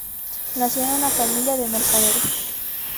Nació en una familia de mercaderes.